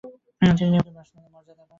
তিনি নিয়মিত ব্যাটসম্যানের মর্যাদা পান।